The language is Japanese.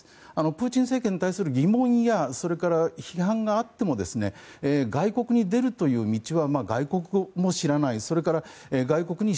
プーチン政権に対する疑問や批判があっても外国に出るという道は外国語も知らない、外国に